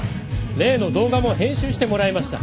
例の動画も編集してもらいました。